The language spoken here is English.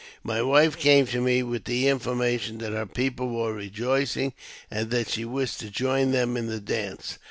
My wife came to me with the information that her people were rejoicing, and that she wished to join them in the dance.